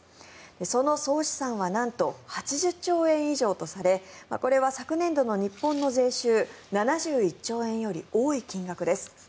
その総資産はなんと８０兆円以上とされこれは昨年度の日本の税収７１兆円より多い金額です。